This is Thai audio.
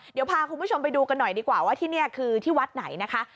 เดี๋ยวพาคุณผู้ชมไปดูกันหน่อยดีกว่าว่าที่นี่คือที่วัดไหนนะคะ